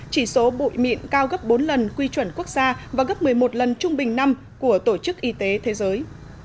chỉ số bụi mịn cao gấp bốn lần quy chuẩn quốc gia và gấp một mươi một lần trung bình năm của tổ chức y tế thế giới